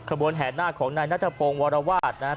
ข้ารวดแห่หน้าของนายนัทพงคร์แบบวาลวาส